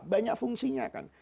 banyak fungsinya kan